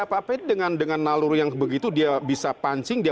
bukan siapa siapa tapi dengan dengan lalur yang begitu dia bisa pancing dia bongkar ini